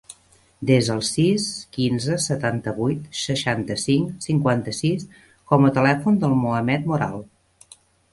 Desa el sis, quinze, setanta-vuit, seixanta-cinc, cinquanta-sis com a telèfon del Mohamed Moral.